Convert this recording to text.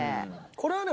これはね